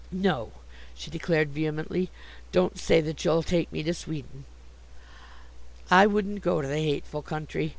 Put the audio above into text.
"No," she declared vehemently, "don't say that you'll take me to Sweden. I wouldn't go to the hateful country.